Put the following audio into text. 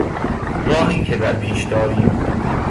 راهی که در پیش داریم